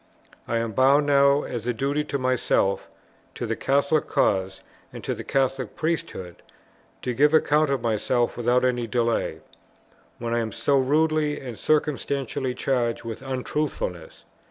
I am bound now as a duty to myself, to the Catholic cause, to the Catholic Priesthood, to give account of myself without any delay, when I am so rudely and circumstantially charged with Untruthfulness.